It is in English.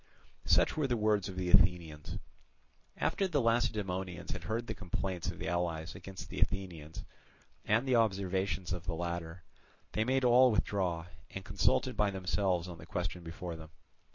Such were the words of the Athenians. After the Lacedaemonians had heard the complaints of the allies against the Athenians, and the observations of the latter, they made all withdraw, and consulted by themselves on the question before them.